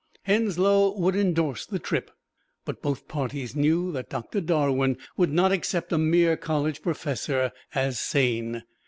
Henslow would endorse the trip, but both parties knew that Doctor Darwin would not accept a mere college professor as sane.